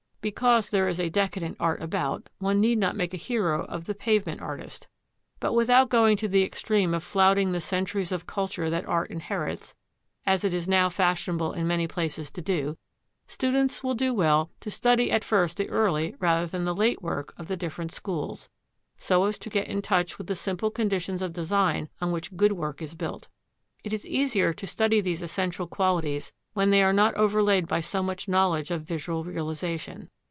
Because there is a decadent art about, one need not make a hero of the pavement artist. But without going to the extreme of flouting the centuries of culture that art inherits, as it is now fashionable in many places to do, students will do well to study at first the early rather than the late work of the different schools, so as to get in touch with the simple conditions of design on which good work is built. It is easier to study these essential qualities when they are not overlaid by so much knowledge of visual realisation.